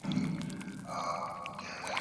دا څېړنه ډېر کلونه وخت نيولی دی.